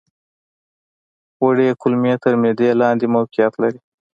وړې کولمې تر معدې لاندې موقعیت لري.